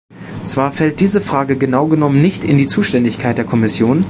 Zwar fällt diese Frage genau genommen nicht in die Zuständigkeit der Kommission.